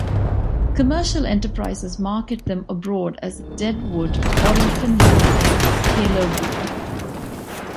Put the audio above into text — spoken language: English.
Commercial enterprises market them abroad as "dead wood" or in Finland as "kelo wood".